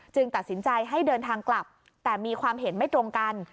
ตัดสินใจให้เดินทางกลับแต่มีความเห็นไม่ตรงกัน